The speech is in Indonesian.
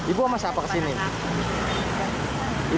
ibu sama siapa kesini